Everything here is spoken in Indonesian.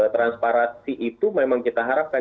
transparansi itu memang kita harapkan